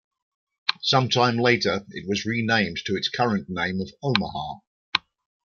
Sometime later it was renamed to its current name of "Omaha".